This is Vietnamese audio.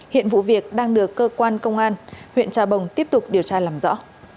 hiện vụ việc đang được cơ quan công an huyện trà bồng tiếp tục điều tra làm rõ